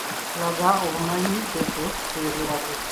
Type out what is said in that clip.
Laga obumanyi kw'ekyo ky'oygerako.